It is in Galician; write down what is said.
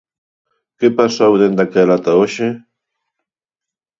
¿Que pasou dende aquela ata hoxe?